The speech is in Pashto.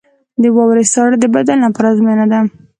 • د واورې ساړه د بدن لپاره ازموینه ده.